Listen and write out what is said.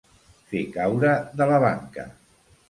Fer caure de la banca.